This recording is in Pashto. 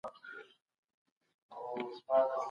بېوزلو او اړمنو ته به ډېر ژر خوراکي توکي ووېشل سي.